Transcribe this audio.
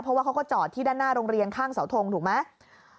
เพราะว่าเขาก็จอดที่ด้านหน้าโรงเรียนข้างเสาทงถูกไหม